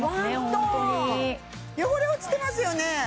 ホントに汚れ落ちてますよね